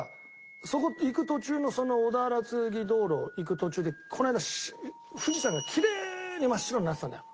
そこ行く途中の小田原厚木道路行く途中でこの間富士山がきれいに真っ白になってたんだよ。